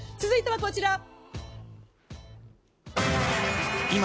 続いてはこちら。